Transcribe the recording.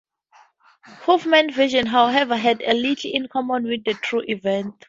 Hoffman's version, however, had little in common with the true event.